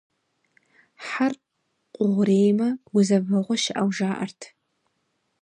Хьэр къугъуреймэ, гузэвэгъуэ щыӏэу жаӏэрт.